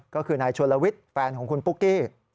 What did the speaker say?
ก็คือนายชนลวิทย์แฟนของคุณปุ๊กกี้